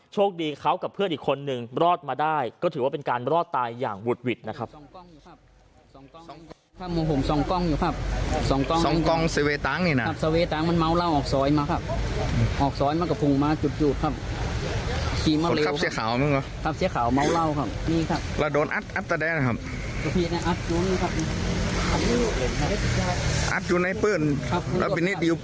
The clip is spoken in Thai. โชคดีเขากับเพื่อนอีกคนนึงรอดมาได้ก็ถือว่าเป็นการรอดตายอย่างวุดหวิดนะครับ